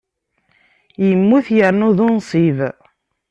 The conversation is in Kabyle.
Immut yernu d unṣib.